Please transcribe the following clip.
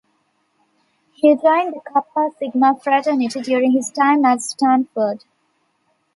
He joined the Kappa Sigma fraternity during his time at Stanford.